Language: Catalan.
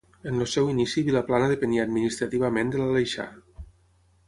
En el seu inici Vilaplana depenia administrativament de l'Aleixar.